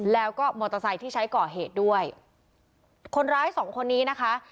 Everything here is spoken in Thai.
แล้วก็มอเตอร์ไซค์ที่ใช้ก่อเหตุด้วยคนร้ายสองคนนี้นะคะ